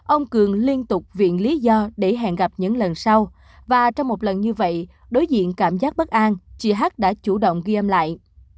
ông cường liên tục viện lý do để hẹn gặp những lần sau và trong một lần như vậy đối diện cảm giác bất an chị hát đã chủ động ghi âm lại